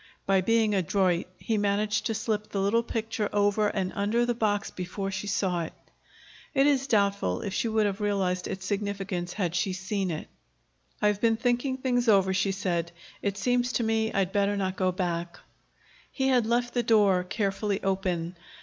By being adroit he managed to slip the little picture over and under the box before she saw it. It is doubtful if she would have realized its significance, had she seen it. "I've been thinking things over," she said. "It seems to me I'd better not go back." He had left the door carefully open.